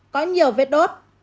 có nhiều vết đốt